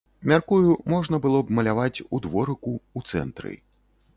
Мяркую, можна было б маляваць у дворыку, у цэнтры.